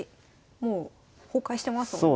もう崩壊してますもんね。